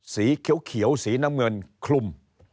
สีเขียวสีน้ำเงินคลุม